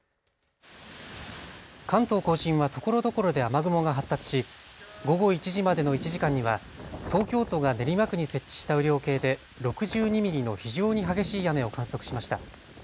関東甲信はところどころで雨雲が発達し午後１時までの１時間には東京都が練馬区に設置した雨量計で６２ミリの非常に激しい雨を観測しました。